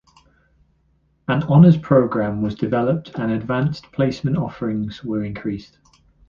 An honors program was developed and Advanced Placement offerings were increased.